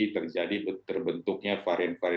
terjadi terbentuknya varian varian